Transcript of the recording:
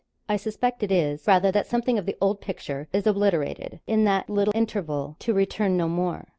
I suspect it is, rather, that something of the old picture is obliterated, in that little interval, to return no more.